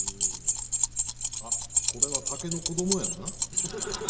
あっこれは竹の子供やな。